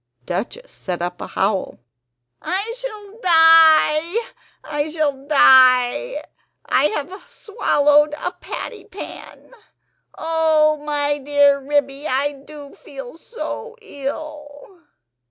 Duchess set up a howl. "I shall die! I shall die! I have swallowed a patty pan! Oh, my dear Ribby, I do feel so ill!"